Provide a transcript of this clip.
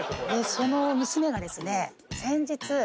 その娘がですね。